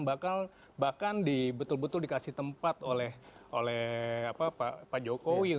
bahkan dikasih tempat oleh pak jokowi